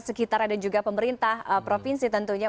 sekitar dan juga pemerintah provinsi tentunya